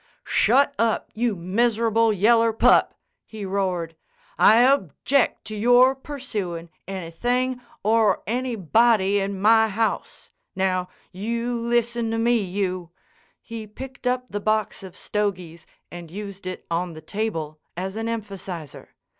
"Shut up, you miserable yeller pup!" he roared. "I object to your pursuin' anything or anybody in my house. Now, you listen to me, you—" He picked up the box of stogies and used it on the table as an emphasizer.